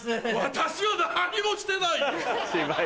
私は何にもしてないよ。